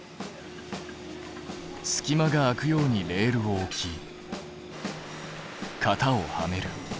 隙間が空くようにレールを置き型をはめる。